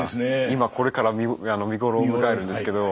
今これから見頃を迎えるんですけど。